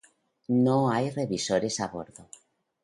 No hay revisores a bordo.